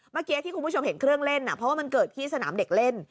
เมื่อกี้ที่คุณผู้ชมเห็นเครื่องเล่นเพราะว่ามันเกิดที่สนามเด็กเล่น